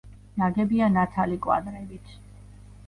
ნაგებია ნათალი კვადრებით.